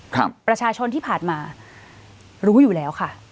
ประชาชนที่ผ่านมารู้อยู่แล้วค่ะ